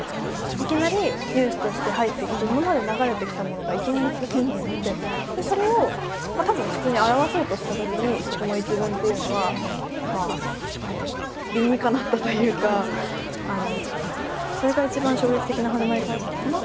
いきなりニュースとして入ってきて今まで流れてきたものがいきなりぶつん！ってなってでそれをたぶん普通に表そうとしたときにそこの１文っていうのは理にかなったというかそれが一番衝撃的な始まりかなと思ったので。